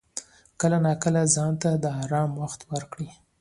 کله ناکله ځان ته د آرام وخت ورکړه.